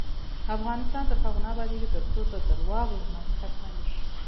افغانستان تر هغو نه ابادیږي، ترڅو د درواغو ژمنې ختمې نشي.